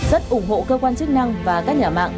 rất ủng hộ cơ quan chức năng và các nhà mạng